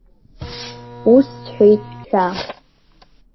Ус сҳәеит ҳәа.